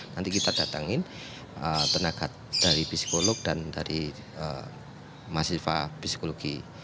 nanti kita datangin tenaga dari psikolog dan dari mahasiswa psikologi